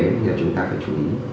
nhưng mà chúng ta phải chú ý